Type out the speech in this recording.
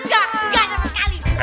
enggak enggak dapat kali